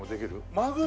マグロ？